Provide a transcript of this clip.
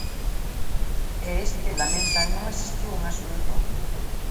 E este, lamentan, "non existiu en absoluto".